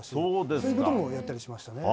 そういうこともやったりしましたね。